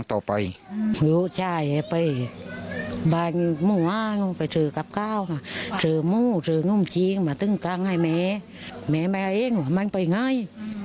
ตื่อมุ่นตื่องุมชิงมาตึงตั้งให้แม้แม้แม้เองว่ามันไปไง